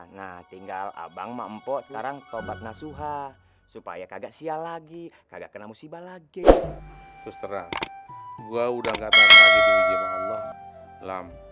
ini pinjemin nih pinjemin nih baju kakak lo nih sebelum babi beliin baju buat dia